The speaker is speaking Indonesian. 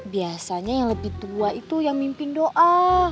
biasanya yang lebih tua itu yang mimpin doa